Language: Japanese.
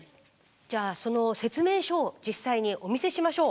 じゃあその説明書を実際にお見せしましょう。